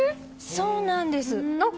そうなんです！